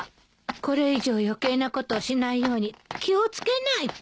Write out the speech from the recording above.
これ以上余計なことをしないように気を付けないと。